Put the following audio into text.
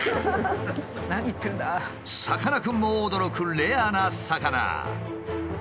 さかなクンも驚くレアな魚。